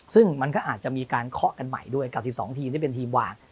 ซึ่งมันก็อาจจะมีการเคาะกันใหม่ด้วยกับ๑๒ทีมที่เป็นทีมวาง